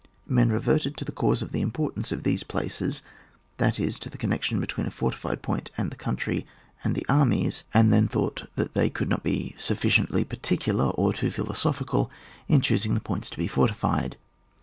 Men reverted to the cause of the importance of these places, that is to the connection between a fortified point, and the country, and the armies ; and then thought that CHAP. X.] FORTRESSES. 99 they could not be sufficiently particulax or too philosophical in choosing the points to be fortified.